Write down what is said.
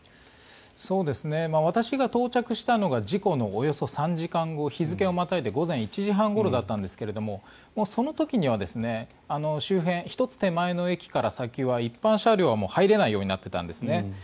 私が到着したのが事故のおよそ３時間後日付をまたいで午前１時半ごろだったんですがその時には周辺１つ手前の駅から先は一般車両はもう入れないようになっていたんですね。